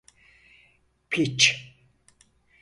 Piç!